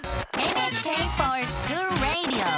「ＮＨＫｆｏｒＳｃｈｏｏｌＲａｄｉｏ」！